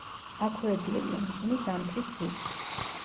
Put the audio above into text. აქვე ეძლევიან ისინი ზამთრის ძილს.